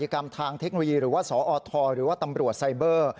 กรรมทางเทคโนโลยีหรือว่าสอทหรือว่าตำรวจไซเบอร์